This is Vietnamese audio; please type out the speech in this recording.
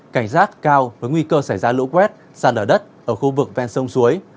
cảnh giác cao với nguy cơ xảy ra lũ quét sàn ở đất ở khu vực ven sông suối